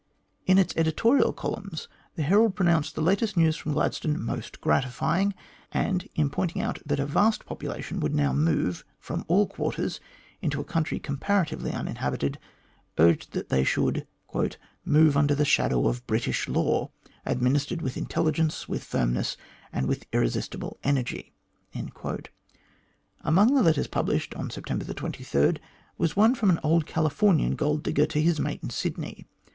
In its editorial columns, the Herald pro nounced the latest news from Gladstone "most gratifying," and, in pointing out that a vast population would now move from all quarters into a country comparatively uninhabited, urged that they should "move under the shadow of British law, administered with intelligence, with firmness, and with irresistible energy." Amongst the letters published on September 23 was one from an old California!! gold digger to his " mate^' in Sydney.